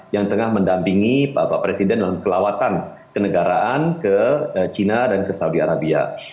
yang tengah mendampingi pak presiden dalam kelewatan kenegaraan ke china dan saudi arabia